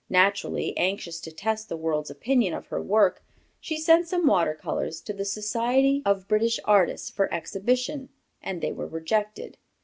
Naturally anxious to test the world's opinion of her work, she sent some water colors to the Society of British Artists for exhibition, and they were rejected.